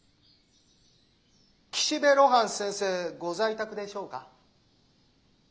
岸辺露伴先生ご在宅でしょうか。